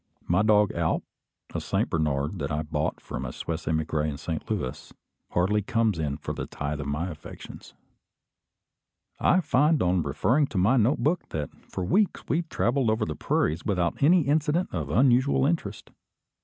My dog Alp, a Saint Bernard that I bought from a Swiss emigre in Saint Louis, hardly comes in for a tithe of my affections. I find on referring to my note book that for weeks we travelled over the prairies without any incident of unusual interest.